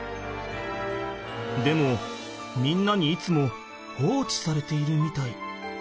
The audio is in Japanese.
でもみんなにいつも放置されているみたい。